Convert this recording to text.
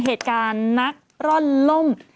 เหตุการณ์นักร่อนล่ม